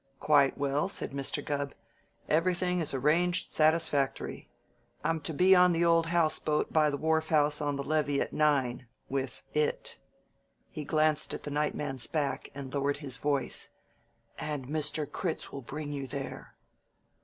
"Quite well," said Mr. Gubb. "Everything is arranged satisfactory. I'm to be on the old house boat by the wharf house on the levee at nine, with it." He glanced at the night man's back and lowered his voice. "And Mr. Critz will bring you there."